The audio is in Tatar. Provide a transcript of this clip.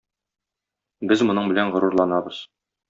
Без моның белән горурланабыз.